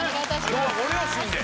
今日はご両親で？